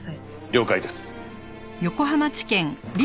了解です。